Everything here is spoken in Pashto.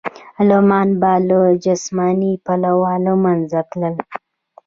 غلامان به له جسماني پلوه له منځه تلل.